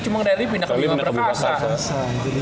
cuma rally pindah ke bimba berkasa